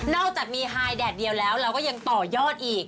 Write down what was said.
จากมีไฮแดดเดียวแล้วเราก็ยังต่อยอดอีก